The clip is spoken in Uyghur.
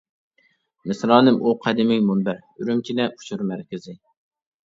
مىسرانىم ئۇ قەدىمىي مۇنبەر، ئۈرۈمچىدە ئۇچۇر مەركىزى.